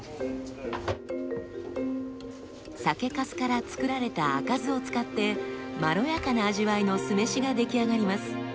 酒粕からつくられた赤酢を使ってまろやかな味わいの酢飯が出来上がります。